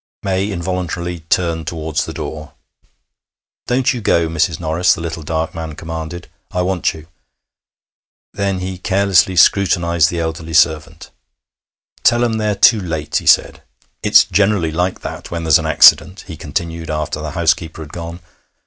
May involuntarily turned towards the door. 'Don't you go, Mrs. Norris,' the little dark man commanded. 'I want you.' Then he carelessly scrutinized the elderly servant. 'Tell 'em they're too late,' he said. 'It's generally like that when there's an accident,' he continued after the housekeeper had gone.